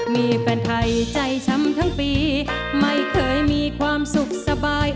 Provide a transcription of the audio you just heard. มีแฟนไทยใจช้ำทั้งปีไม่เคยมีความสุขสบาย